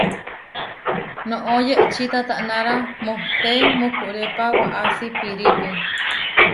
Noʼó yehčí tatanára mohté mukurépa waʼasí pirípi.